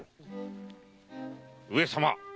上様！